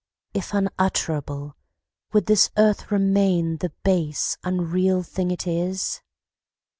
if utterable, would this earth Remain the base, unreal thing it is?